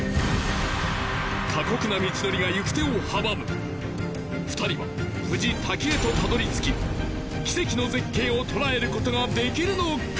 過酷な道のりが行手を阻む２人は無事滝へとたどり着き奇跡の絶景を捉えることができるのか？